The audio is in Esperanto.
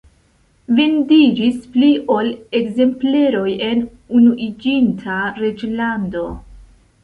Vendiĝis pli ol ekzempleroj en Unuiĝinta Reĝlando.